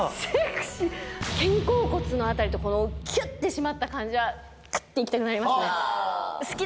肩甲骨の辺りキュって締まった感じはクッて行きたくなりますね。